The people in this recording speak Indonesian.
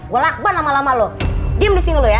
gue lakban lama lama lo gym disini ya